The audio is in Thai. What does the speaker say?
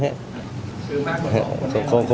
คือมากกว่าต่อคนแน่หรือเปล่า